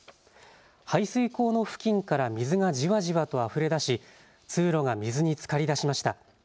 排水溝の付近から水がじわじわとあふれ出し通路が水につかりだしました。